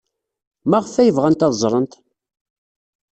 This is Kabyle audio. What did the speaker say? Maɣef ay bɣant ad ẓrent?